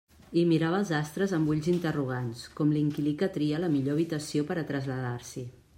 I mirava als astres amb ulls interrogants, com l'inquilí que tria la millor habitació per a traslladar-s'hi.